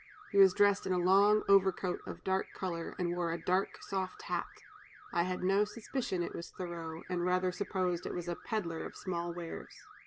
He was dressed in a long overcoat of dark color, and wore a dark soft hat. I had no suspicion it was Thoreau, and rather supposed it was a pedler of small wares."